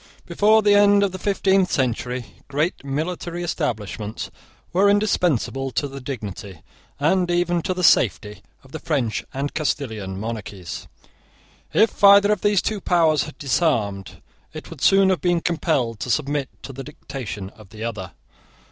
Before the end of the fifteenth century great military establishments were indispensable to the dignity, and even to the safety, of the French and Castilian monarchies. If either of those two powers had disarmed, it would soon have been compelled to submit to the dictation of the other.